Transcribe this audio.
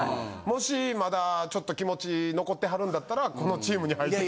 もしまだちょっと気持ち残ってはるんだったらこのチームに入って。